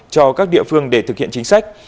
cho các địa phương để thực hiện chính sách